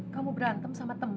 kamu berantem sama temen